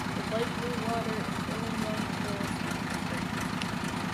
With light blue water and growing young forest on its banks.